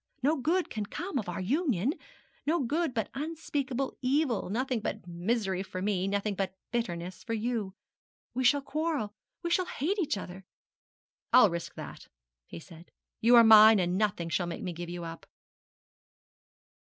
No good can ever come of our union no good, but unspeakable evil; nothing but misery for me nothing but bitterness for you. We shall quarrel we shall hate each other.' 'I'll risk that,' he said; 'you are mine, and nothing shall make me give you up.'